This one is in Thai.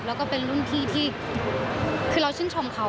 แล้วก็เป็นรุ่นพี่ที่คือเราชื่นชมเขา